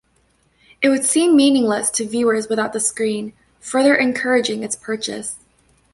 It would seem meaningless to viewers without the screen, further encouraging its purchase.